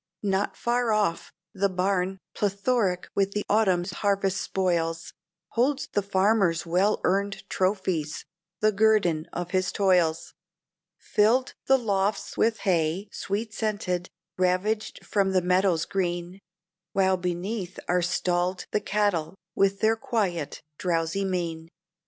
Not far off, the barn, plethoric with the autumn harvest spoils, Holds the farmer's well earned trophies the guerdon of his toils; Filled the lofts with hay, sweet scented, ravished from the meadows green, While beneath are stalled the cattle, with their quiet drowsy mien.